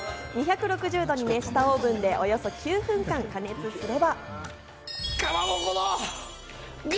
２６０度に熱したオーブンでおよそ９分間加熱すれば。